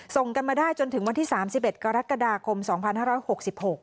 ส่งกันมาได้จนถึงวันที่สามสิบเอ็ดกรกฎาคมสองพันห้าร้อยหกสิบหก